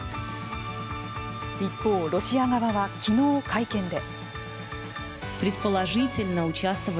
一方、ロシア側は昨日会見で。